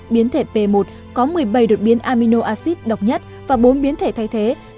biến thể b một có một mươi bảy đột biến aminoacid độc nhất và bốn biến thể thay thế